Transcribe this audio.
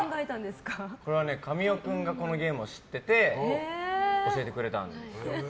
これは神尾君がこのゲームを知ってて教えてくれたんですよ。